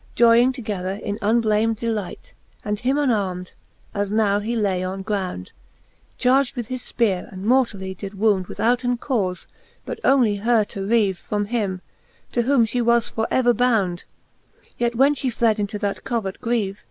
Joying together in unblam'd delight, And him unarm'd, as now he lay on ground, Charg'd with his fpeare, and mortally did wound, Withouten caufe, but onely her to reave From him, to whom fhe was for ever bound: Yet when fhe fled into that covert greave.